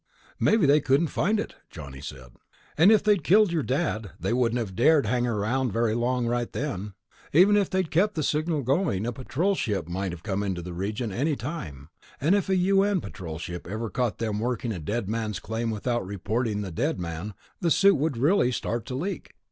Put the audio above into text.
"Maybe they couldn't find it," Johnny said. "If they'd killed your dad, they wouldn't have dared hang around very long right then. Even if they'd kept the signal going, a Patrol ship might have come into the region any time. And if a U.N. Patrol ship ever caught them working a dead man's claim without reporting the dead man, the suit would really start to leak."